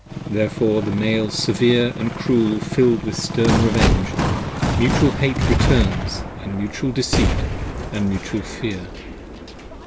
Therefore the Male severe & cruel fill'd with stern Revenge: Mutual Hate returns & mutual Deceit & mutual Fear.